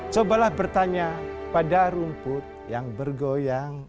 cobalah bertanya pada rumput yang bergoyang